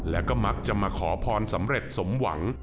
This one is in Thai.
และก็มักจะมาขอพรสำเร็จสมหวัง